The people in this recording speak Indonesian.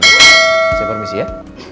maaf saya permisi ya